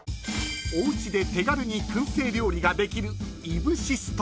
［おうちで手軽に薫製料理ができる］